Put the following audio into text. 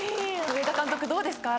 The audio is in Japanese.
上田監督どうですか？